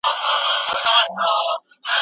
بد عادتونه پرېږده